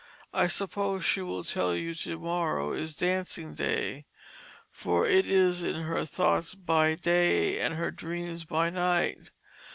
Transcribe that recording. I suppose she will tell you to morrow is Dancing Day, for it is in her Thoughts by Day & her dreams by Night.